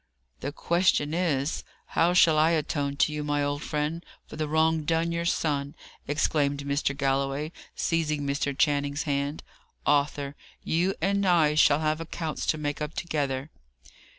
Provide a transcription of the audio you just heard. "The question is, how shall I atone to you, my old friend, for the wrong done your son?" exclaimed Mr. Galloway, seizing Mr. Channing's hand. "Arthur, you and I shall have accounts to make up together."